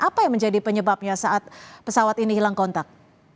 apa yang menjadi penyebabnya saat pesawat ini hilang kontak